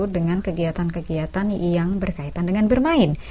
dengan kegiatan kegiatan yang berkaitan dengan bermain